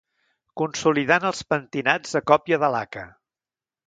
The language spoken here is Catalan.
Consolidant els pentinats a còpia de laca.